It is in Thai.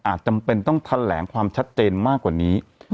จำเป็นต้องแถลงความชัดเจนมากกว่านี้